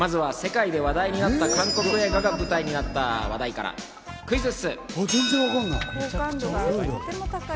まずは世界で話題になった韓国映画が舞台になった話題からクイズッス。